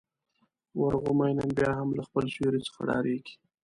ورغومی نن بيا هم له خپل سیوري څخه ډارېږي.